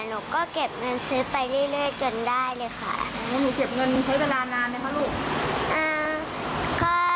หนูก็เก็บเงินซื้อไปเรื่อยจนได้เลยค่ะ